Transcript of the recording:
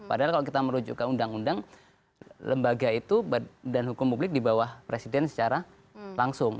padahal kalau kita merujuk ke undang undang lembaga itu dan hukum publik di bawah presiden secara langsung